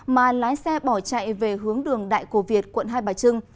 mà lái xe bỏ chạy về hướng đường đại cổ việt quận hai bà trưng